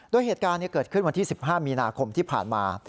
โดยเหตุการณ์เกิดขึ้นวันที่๑๕มีนาคมที่ผ่านมา